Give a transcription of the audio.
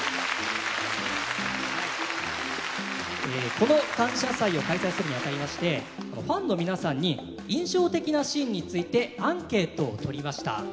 この感謝祭を開催するにあたりましてファンの皆さんに印象的なシーンについてアンケートを取りました。